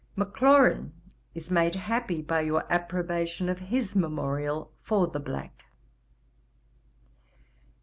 Maclaurin is made happy by your approbation of his memorial for the black.